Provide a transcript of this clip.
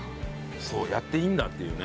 そうやっていいんだっていうね。